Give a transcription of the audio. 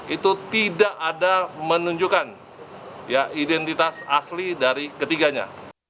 itu tidak ada menunjukkan identitas asli dari ketiganya